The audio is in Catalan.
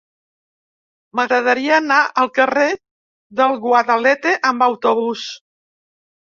M'agradaria anar al carrer del Guadalete amb autobús.